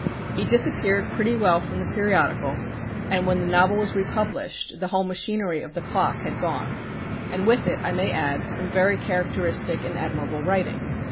He disappeared pretty well from the periodical, and when the novel was republished, the whole machinery of the Clock had gone; and with it I may add, some very characteristic and admirable writing.